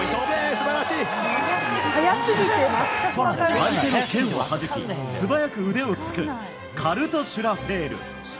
相手の剣をはじき素早く腕を突くカルトシュラフェール。